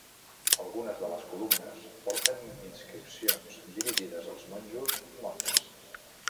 Algunes de les columnes porten inscripcions dirigides als monjos i monges.